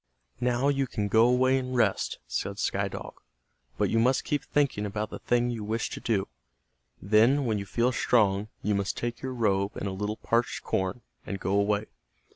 "Now you can go away and rest," said Sky Dog. "But you must keep thinking about the thing you wish to do. Then, when you feel strong, you must take your robe and a little parched corn, and go away.